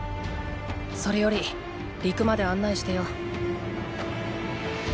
それより陸まで案内してよ。